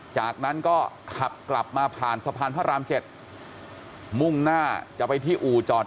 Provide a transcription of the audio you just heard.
จากนั้นก็ขับกลับมาผ่านสะพานพระราม๗มุ่งหน้าจะไปที่อู่จอด